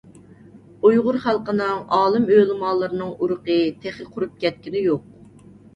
ئۇيغۇر خەلقىنىڭ ئالىم - ئۆلىمالىرىنىڭ ئۇرۇقى تېخى قۇرۇپ كەتكىنى يوق.